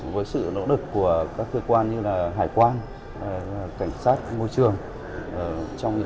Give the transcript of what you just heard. với sự nỗ lực của các cơ quan như là hải quan cảnh sát môi trường